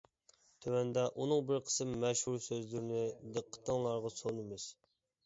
تۆۋەندە ئۇنىڭ بىر قىسىم مەشھۇر سۆزلىرىنى دىققىتىڭلارغا سۇنىمىز.